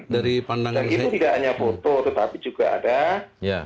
dan itu tidak hanya foto tetapi juga ada